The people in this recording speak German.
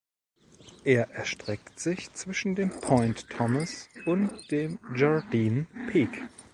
Er erstreckt sich zwischen dem Point Thomas und dem Jardine Peak.